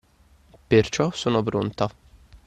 Perciò sono pronta.